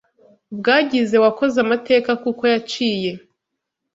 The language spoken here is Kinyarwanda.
bwagize wakoze amateka kuko yaciye